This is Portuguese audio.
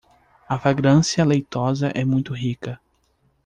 A fragrância leitosa é muito rica